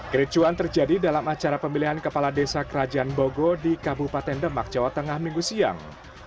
kericuan terjadi dalam acara pemilihan kepala desa kerajaan bogo di kabupaten demak jawa tengah minggu siang